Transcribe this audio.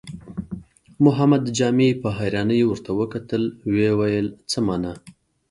محمد جامي په حيرانۍ ورته وکتل، ويې ويل: څه مانا؟